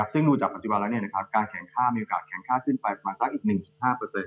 ซึ่งดูจากอันตริบันมีโอกาสแข็งค่าขึ้นไปประมาณ๑๕